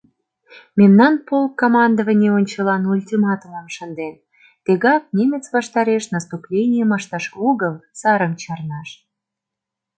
— Мемнан полк командований ончылан ультиматумым шынден: тегак немец ваштареш наступленийым ышташ огыл, сарым чарнаш.